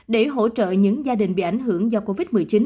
để hỗ trợ những gia đình bị ảnh hưởng do covid một mươi chín